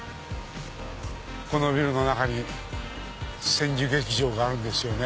このビルの中に１０１０劇場があるんですよね。